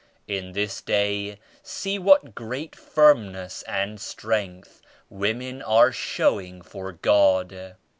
In this Day see what great firm ness and strength women are showing for God.